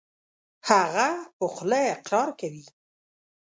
هغه په خوله اقرار کوي .